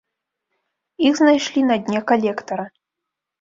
Іх знайшлі на дне калектара.